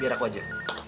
biar aku aja